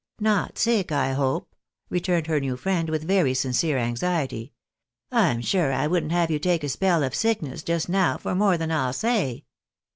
" Not sick, I hope ?" returned her new friend, with very sincere anxiety. " I'm sure I wouldn't have you take a spell of sickness just noAv for more than I'll say."